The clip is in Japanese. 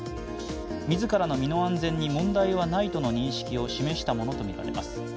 自らの身の安全に問題はないとの認識を示したものとみられます。